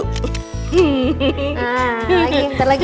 nah ntar lagi